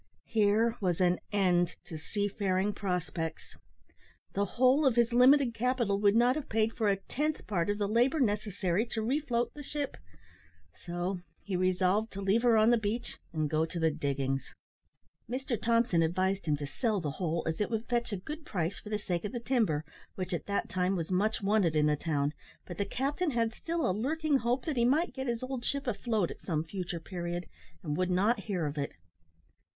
Here was an end to sea faring prospects. The whole of his limited capital would not have paid for a tenth part of the labour necessary to refloat the ship, so he resolved to leave her on the beach, and go to the diggings. Mr Thompson advised him to sell the hull, as it would fetch a good price for the sake of the timber, which at that time was much wanted in the town, but the captain had still a lurking hope that he might get his old ship afloat at some future period, and would not hear of it.